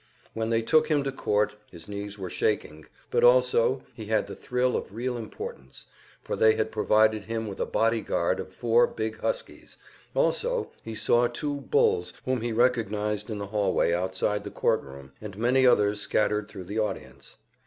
When they took him to court his knees were shaking, but also he had a thrill of real importance, for they had provided him with a body guard of four big huskies; also he saw two "bulls" whom he recognized in the hallway outside the court room, and many others scattered thru the audience.